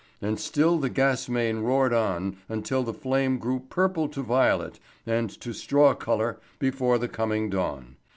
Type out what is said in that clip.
And still the gas main roared on until the flame grew from purple to violet, and to straw colour before the coming dawn.